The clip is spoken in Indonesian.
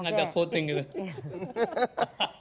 ngajak voting gitu